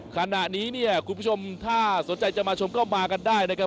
ขณะนี้เนี่ยคุณผู้ชมถ้าสนใจจะมาชมก็มากันได้นะครับ